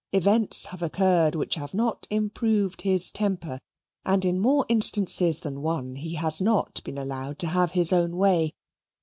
Events have occurred which have not improved his temper, and in more instances than one he has not been allowed to have his own way.